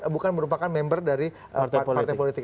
bukan merupakan member dari partai politik